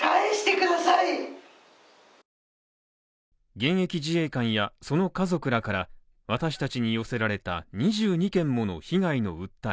現役自衛官やその家族らから私達に寄せられた２２件もの被害の訴え